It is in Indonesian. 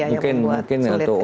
nah ini dia yang membuat sulit ya